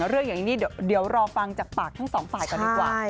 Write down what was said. เรื่องอย่างนี้นี่เดี๋ยวรอฟังจากปากทั้งสองฝ่ายก่อนดีกว่า